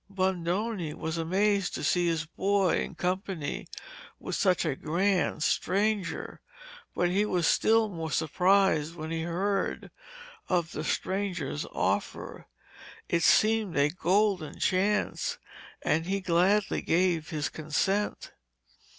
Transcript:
Bondone was amazed to see his boy in company with such a grand stranger, but he was still more surprised when he heard of the stranger's offer. It seemed a golden chance, and he gladly gave his consent.